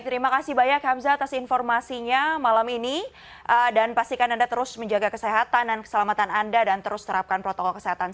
terima kasih banyak hamzah atas informasinya malam ini dan pastikan anda terus menjaga kesehatan dan keselamatan anda dan terus terapkan protokol kesehatan